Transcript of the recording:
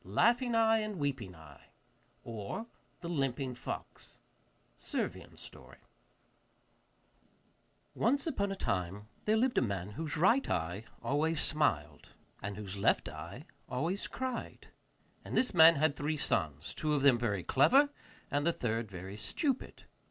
] Laughing Eye and Weeping Eye, or the Limping Fox (Servian Story) Once upon a time there lived a man whose right eye always smiled, and whose left eye always cried; and this man had three sons, two of them very clever, and the third very stupid.